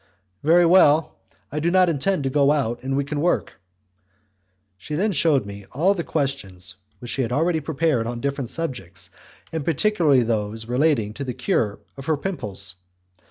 "Very well; I do not intend to go out, and we can work." She then shewed me all the questions which she had already prepared on different subjects, and particularly those relating to the cure of her pimples.